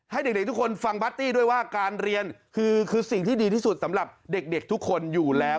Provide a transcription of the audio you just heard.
ให้เด็กทุกคนฟังบัตตี้ด้วยว่าการเรียนคือสิ่งที่ดีที่สุดสำหรับเด็กทุกคนอยู่แล้ว